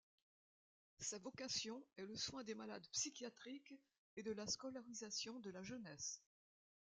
Sa vocation est le soin des malades psychiatriques et la scolarisation de la jeunesse.